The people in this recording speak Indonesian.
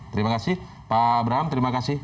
terima kasih pak abraham terima kasih